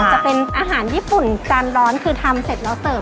จะเป็นอาหารญี่ปุ่นจานร้อนคือทำเสร็จแล้วเสิร์ฟ